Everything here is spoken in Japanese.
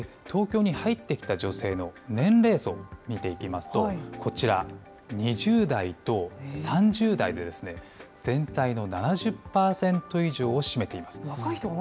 東京に入ってきた女性の年齢層見ていきますと、こちら、２０代と３０代で全体の７０％以上を占めています。